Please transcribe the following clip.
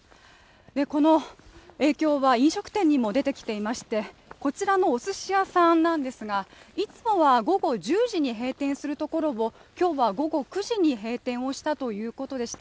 この影響は飲食店にも出てきていましてこちらのおすし屋さんなんですがいつもは午後１０時に閉店するところを今日は午後９時に閉店したということでした。